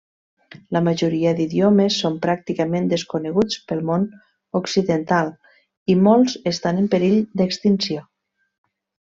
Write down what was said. La majoria d'idiomes són pràcticament desconeguts pel món occidental i molts estan en perill d'extinció.